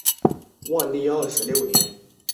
这也导致了里贝克的引咎辞职。